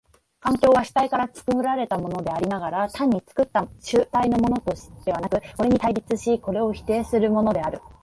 環境は主体から作られたものでありながら、単に作った主体のものではなく、これに対立しこれを否定するものである。